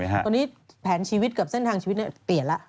ตอนนี้แผนชีวิตกับเส้นทางชีวิตเปลี่ยนแล้ว